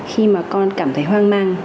khi mà con cảm thấy hoang mang